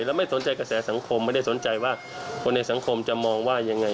แล้วไม่สนใจกระแสสังคมไม่ได้สนใจว่าคนในสังคมจะมองว่ายังไง